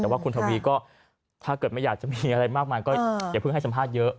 แต่ว่าคุณทวีก็ถ้าเกิดไม่อยากจะมีอะไรมากมายก็อย่าเพิ่งให้สัมภาษณ์เยอะ